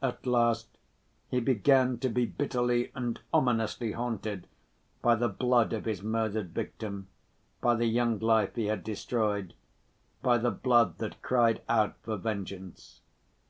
At last he began to be bitterly and ominously haunted by the blood of his murdered victim, by the young life he had destroyed, by the blood that cried out for vengeance.